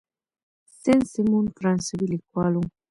سن سیمون فرانسوي لیکوال و.